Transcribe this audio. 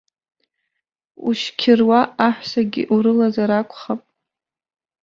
Ушьқьыруа аҳәсагьы урылазар акәхап.